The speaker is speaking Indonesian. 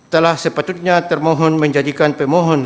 telah sepatutnya termohon menjadikan pemohon